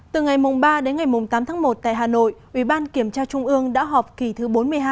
từ ngày ba đến ngày tám tháng một tại hà nội ubnd đã họp kỳ thứ bốn mươi hai